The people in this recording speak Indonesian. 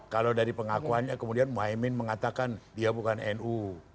kalau dari pengakuannya kemudian muhaymin mengatakan dia bukan nu